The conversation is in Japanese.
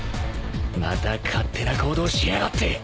また勝手な行動しやがって！